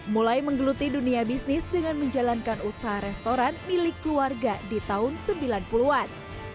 mulai menggeluti dunia bisnis dengan menjalankan usaha restoran milik keluarga di tahun sembilan puluh an